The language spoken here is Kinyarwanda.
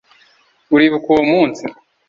uribuka uwo munsi